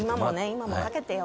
今もかけてよ